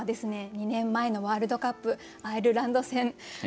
２年前のワールドカップアイルランド戦。